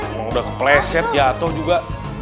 emang udah kepleset jatuh juga